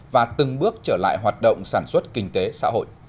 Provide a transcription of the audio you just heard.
và từng bước trở lại hoạt động sản xuất kinh tế xã hội